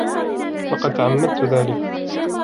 لقد تعمدت ذلك!